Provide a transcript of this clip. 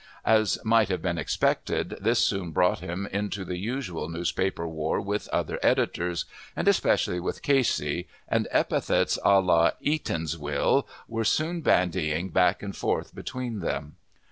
As might have been expected, this soon brought him into the usual newspaper war with other editors, and especially with Casey, and epithets a la "Eatanswill" were soon bandying back and forth between them.